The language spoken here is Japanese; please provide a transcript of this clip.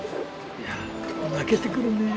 いや泣けてくるねぇ。